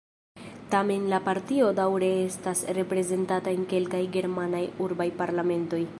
Tamen la partio daŭre estas reprezentata en kelkaj germanaj urbaj parlamentoj.